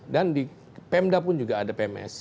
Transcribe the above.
dan di pemda pun juga ada pms